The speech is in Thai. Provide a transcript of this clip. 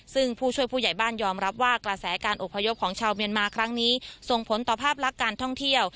ซึ่งผู้ช่วยผู้ใหญ่บ้านยอมรับว่ากระแสการอบพยพของชาวเมียนมาครั้งนี้ส่งผลต่อภาพลักษณ์การท่องเที่ยว